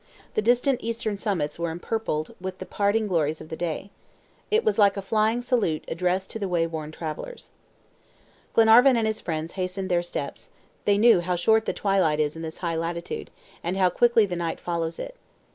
The distant eastern summits were empurpled with the parting glories of the day. It was like a flying salute addressed to the way worn travelers. Glenarvan and his friends hastened their steps, they knew how short the twilight is in this high latitude, and how quickly the night follows it.